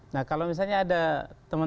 nah kalau misalnya ada teman teman